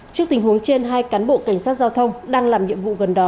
trước tình huống trên hai cán bộ cảnh sát giao thông đang làm nhiệm vụ gần đó